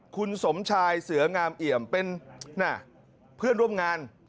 คุณสมชายเสืองามเอี่ยมเป็นเพื่อนร่วมงาน